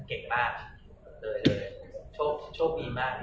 เคร็บมากโชคดีมาก